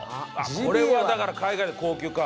これはだから海外では高級か。